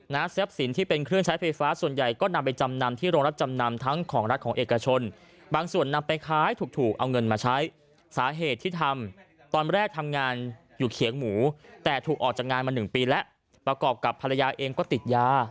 ทรัพย์สินที่เป็นเครื่องใช้ไฟฟ้าส่วนใหญ่ก็นำไปจำนำที่โรงรับจำนำทั้งของรัฐของเอกชนบางส่วนนำไปขายถูกถูกเอาเงินมาใช้สาเหตุที่ทำตอนแรกทำงานอยู่เขียงหมูแต่ถูกออกจากงานมาหนึ่งปีแล้วประกอบกับภรรยาเองก็ติดยา